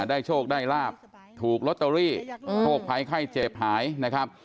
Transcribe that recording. โชคได้ลาบถูกลอตเตอรี่โชคภัยไข้เจ็บหายนะครับ